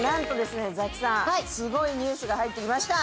すごいニュースが入ってきました。